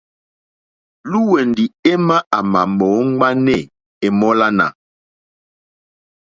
Lwɛ̌ndì émá à mà mòóŋwánê èmólánà.